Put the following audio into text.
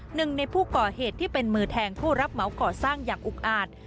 หนึ่งในผู้ก่อเหตุที่เป็นมือแทงผู้รับเหมาก่อสร้างอย่างอุกอาจ